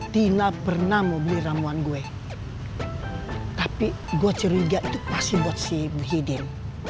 tapi gue ceriga itu pasti buat si bu hidim